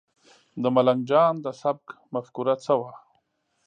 د ملنګ جان د سبک مفکوره څه وه؟